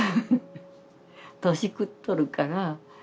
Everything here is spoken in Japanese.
「年くっとるから」